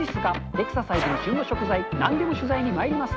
エクササイズから旬の食材、なんでも取材にまいります。